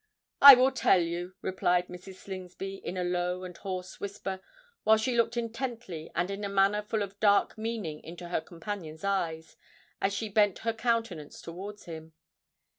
"I will tell you," replied Mrs. Slingsby in a low and hoarse whisper, while she looked intently and in a manner full of dark meaning into her companion's eyes, as she bent her countenance towards him.